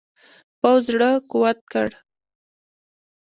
پوځ زړه قوت کړ.